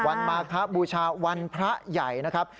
มาคบูชาวันพระใหญ่นะครับ